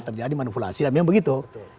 terjadi manipulasi dan memang begitu